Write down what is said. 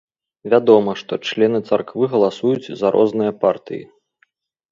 Вядома, што члены царквы галасуюць за розныя партыі.